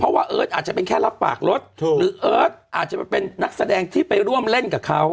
เพราะว่าเอิร์ทอาจจะเป็นแค่รับปากรถหรือเอิร์ทอาจจะเป็นนักแสดงที่ไปร่วมเล่นกับเขา